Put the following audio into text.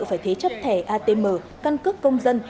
phải thế chấp thẻ atm căn cước công dân